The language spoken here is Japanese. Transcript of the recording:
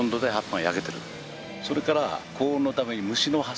それから。